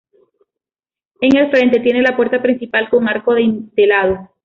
En el frente tiene la puerta principal, con arco adintelado.